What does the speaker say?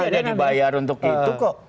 maksudnya dibayar untuk itu kok